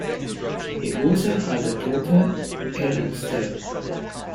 He also had a daughter, Ellen Stone.